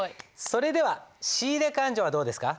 それでは仕入勘定はどうですか？